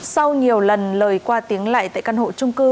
sau nhiều lần lời qua tiếng lại tại căn hộ